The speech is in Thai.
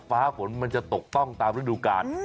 ฟ้าฝนมันจะตกต้องตามฤดูกาล